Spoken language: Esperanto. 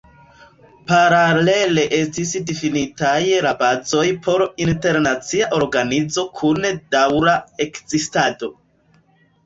Paralele estis difinitaj la bazoj por internacia organizo, kun daŭra ekzistado.